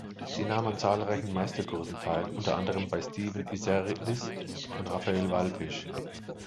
Sie nahm an zahlreichen Meisterkursen teil, unter anderem bei Steven Isserlis und Raphael Wallfisch.